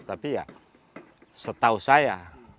tapi ya setahu saya